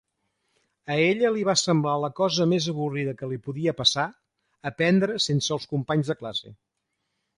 A ella li va semblar la cosa més avorrida que li podia passar, aprendre sense els companys de classe.